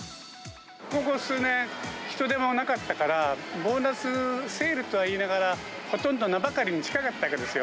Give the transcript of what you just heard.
ここ数年、人出もなかったから、ボーナスセールとはいいながら、ほとんど名ばかりに近かったんですよ。